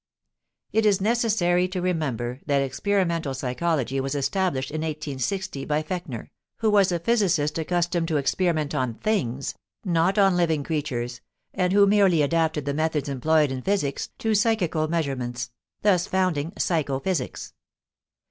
It is necessary to remember that experimental psychology was established in 1860 by Fechner, who was a physicist accustomed to experiment on things, not on living creatures, and who merely adapted the methods employed in physics to psychical measurements, thus founding psycho physics.